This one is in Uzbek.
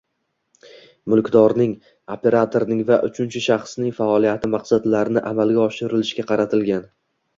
Mulkdorning, operatorning va uchinchi shaxsning faoliyati maqsadlarini amalga oshirishga qaratilgan